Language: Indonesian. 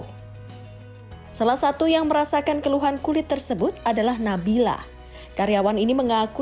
hai salah satu yang merasakan keluhan kulit tersebut adalah nabilah karyawan ini mengaku